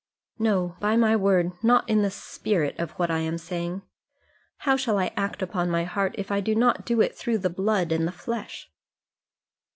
"No, by my word; not in the spirit of what I am saying. How shall I act upon my heart, if I do not do it through the blood and the flesh?"